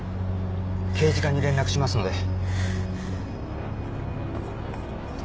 刑事課に連絡しますので。